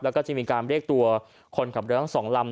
แล้วก็จะมีการเรียกตัวคนขับเรือทั้งสองลำ